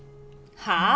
はあ？